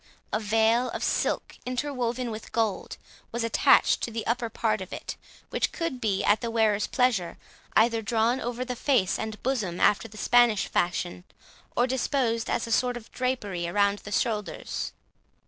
A veil of silk, interwoven with gold, was attached to the upper part of it, which could be, at the wearer's pleasure, either drawn over the face and bosom after the Spanish fashion, or disposed as a sort of drapery round the shoulders.